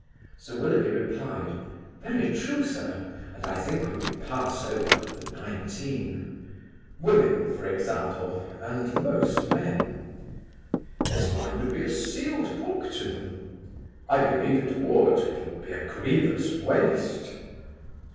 Sir Willoughby replied: "Very true, sir; and I think we may pass over the nineteen." "Women, for example; and most men." "This wine would be a scaled book to them." "I believe it would. It would be a grievous waste."